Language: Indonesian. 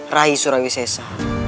raih surawi sesa